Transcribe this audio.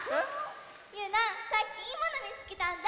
ゆうなさっきいいものみつけたんだ！